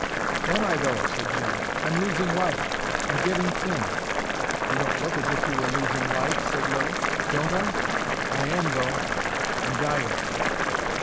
"Am I though?" said Jim. "I'm losing life. I'm getting thin." "You don't look as if you were losing life," said Lilly. "Don't I? I am, though. I'm dying."